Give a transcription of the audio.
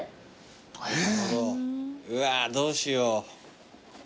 うわーどうしよう。